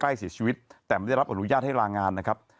เสียชีวิตแต่ไม่ได้รับอนุญาตให้ลางานนะครับ